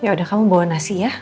yaudah kamu bawa nasi ya